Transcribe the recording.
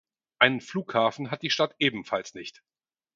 Einen Flughafen hat die Stadt ebenfalls nicht.